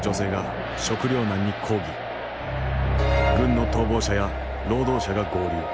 軍の逃亡者や労働者が合流。